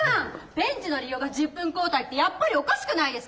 ベンチの利用が１０分交代ってやっぱりおかしくないですか？